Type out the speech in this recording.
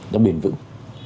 nó bền vững